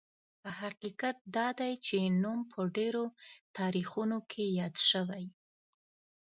حقیقت دا دی چې نوم په ډېرو تاریخونو کې یاد شوی.